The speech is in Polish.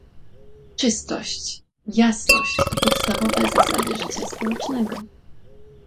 Czystość, jasność to podstawowe zasady życia społecznego